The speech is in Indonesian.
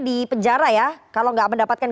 di penjara ya kalau nggak mendapatkan